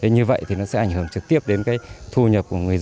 như vậy thì nó sẽ ảnh hưởng trực tiếp đến cái thu nhập của người dân